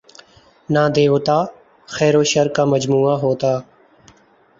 نہ دیوتا، خیر وشرکا مجموعہ ہوتا ہے۔